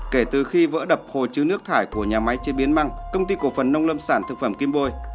kể từ khi vỡ đập hồ chứa nước thải của nhà máy chế biến măng công ty cổ phần nông lâm sản thực phẩm kim bôi